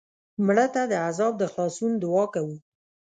مړه ته د عذاب د خلاصون دعا کوو